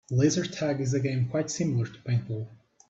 Laser tag is a game quite similar to paintball.